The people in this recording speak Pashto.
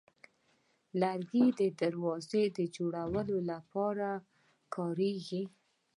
لرګی د دروازې جوړولو لپاره کارېږي.